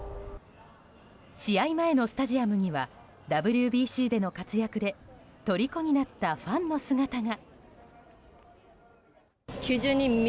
試合前のスタジアムにはＷＢＣでの活躍で虜になったファンの姿が。